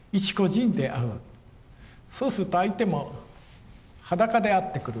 そうすると相手も裸で会ってくる。